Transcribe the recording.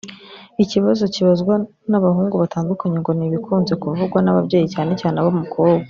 Ikibazo kibazwa n’abahungu batandukanye ngo ni ibikunze kuvugwa n’ababyeyi cyane cyane ab’umukobwa